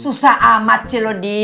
susah amat cilodin